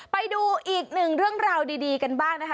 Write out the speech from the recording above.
ไปดูอีกหนึ่งเรื่องราวดีกันบ้างนะคะ